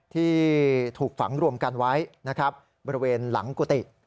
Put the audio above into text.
ที่ถูกฝังรวมกันไว้นะครับบริเวณหลังกุฏิ